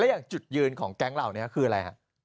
แล้วก็อย่างจุดยืนของแกรงราวเนี่ยคืออะไร